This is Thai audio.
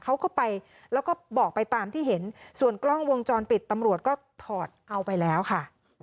เขาก็ไปแล้วก็บอกไปตามที่เห็นส่วนกล้องวงจรปิดตำรวจก็ถอดเอาไปแล้วค่ะ